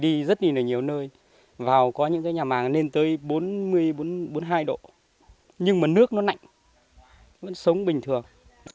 mình đi rất nhiều nơi vào có những nhà màng lên tới bốn mươi bốn mươi hai độ nhưng mà nước nó nạnh vẫn sống bình thường